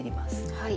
はい。